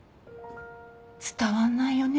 伝わんないよね